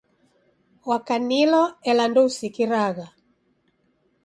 Wakanilo ela ndousikiragha.